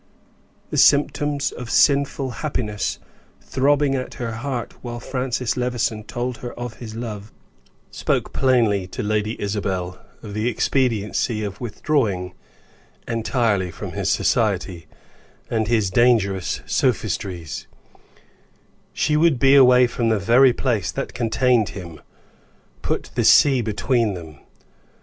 The symptoms of sinful happiness throbbing at her heart while Francis Levison told her of his love, spoke plainly to Lady Isabel of the expediency of withdrawing entirely from his society, and his dangerous sophistries; she would be away from the very place that contained him; put the sea between them.